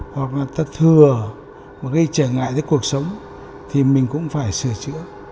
hoặc là ta thừa gây trở ngại tới cuộc sống thì mình cũng phải sửa chữa